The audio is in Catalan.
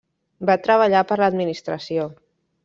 Va treballar per l'administració.